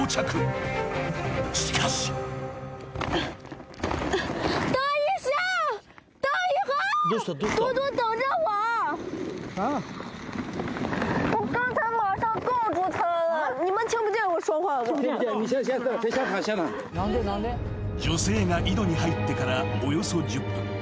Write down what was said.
［しかし］［女性が井戸に入ってからおよそ１０分］